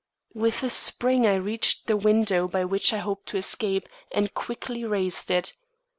With a spring I reached the window by which I hoped to escape, and quickly raised it.